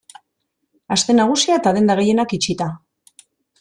Aste Nagusia eta denda gehienak itxita.